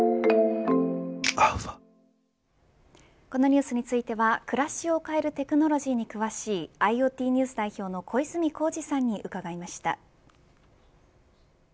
このニュースについては暮らしを変えるテクノロジーに詳しいＩｏＴＮＥＷＳ代表の小泉耕二さんに伺いました。